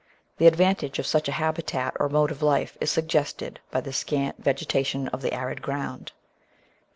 The advantage of such a habitat or mode of life is suggested by the scant vegeta tion of the arid ground.